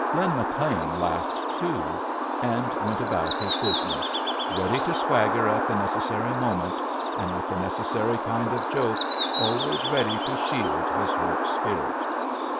Lin McLean laughed, too, and went about his business, ready to swagger at the necessary moment, and with the necessary kind of joke always ready to shield his hurt spirit.